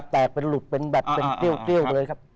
แตกเป็นหลุดเป็นแบบเป็นเกี้ยวไปเลยครับ